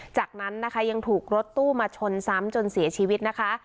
จากนั้นนะคะยังถูกรถตู้มาชนซ้ำจนเสียชีวิตนะคะ